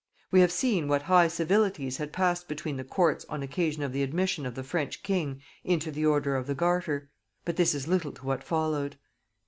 We have seen what high civilities had passed between the courts on occasion of the admission of the French king into the order of the garter, but this is little to what followed.